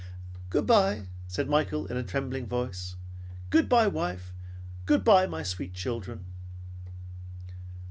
"Good bye," said Michael in a trembling voice. "Good bye, wife! Good bye, my sweet children!"